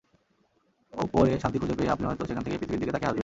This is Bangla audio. ওপরে শান্তি খুঁজে পেয়ে আপনি হয়তো সেখান থেকে পৃথিবীর দিকে তাকিয়ে হাসবেন।